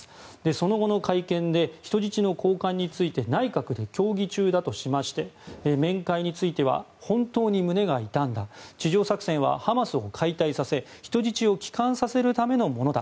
その後の会見で人質の交換について内閣で協議中だとしまして面会については本当に胸が痛んだ地上作戦はハマスを解体させ人質を帰還させるためのものだ。